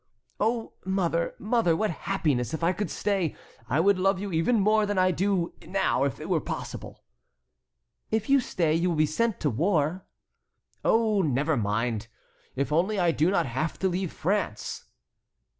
"Oh, mother, mother, what happiness if I could stay! I would love you even more than I do now if that were possible!" "If you stay you will be sent to war." "Oh, never mind! if only I do not have to leave France."